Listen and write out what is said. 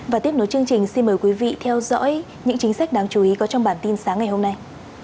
và tiếp nối chương trình xin mời quý vị theo dõi những chính sách đáng chú ý có trong bản tin sáng ngày hôm nay